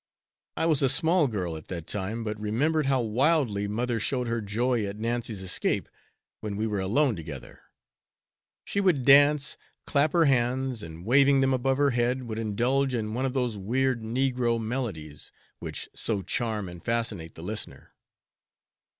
I was a small girl at that time, but remember how wildly mother showed her joy at Nancy's escape when we were alone together. She would dance, clap her hands, and, waving them above her head, would indulge in one of those weird negro melodies, which so charm and fascinate the listener.